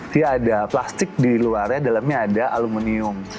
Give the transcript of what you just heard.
dia ada plastik di luarnya dalamnya ada aluminium